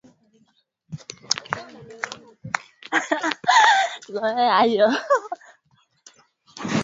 Bulongo bwa mu pori buko na tosha biakuria bia ku furaisha sana